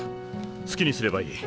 好きにすればいい。